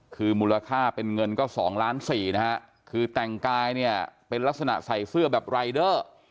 คือมูลค่าเป็นเงินก็๒ล้านสี่นะฮะคือแต่งกายเนี่ยเป็นลักษณะใส่เสื้อแบบรายเดอร์